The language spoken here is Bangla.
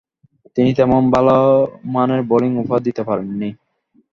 তিনি তেমন ভালোমানের বোলিং উপহার দিতে পারেননি।